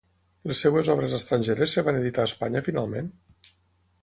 Les seves obres estrangeres es van editar a Espanya finalment?